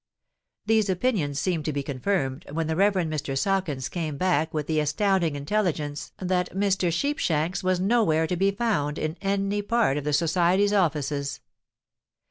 These opinions seemed to be confirmed, when the Reverend Mr. Sawkins came back with the astounding intelligence that Mr. Sheepshanks was nowhere to be found in any part of the Society's offices.